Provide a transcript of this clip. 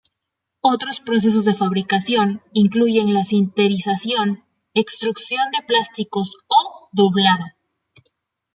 Otros procesos de fabricación incluyen la sinterización, extrusión de plásticos o doblado.